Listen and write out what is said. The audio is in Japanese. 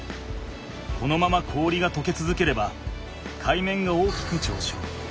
このまま氷がとけつづければ海面が大きくじょうしょう。